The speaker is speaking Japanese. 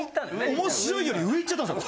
面白いより上行っちゃったんですよ。